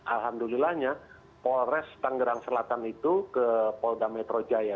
alhamdulillahnya polres tanggerang selatan itu ke polda metro jaya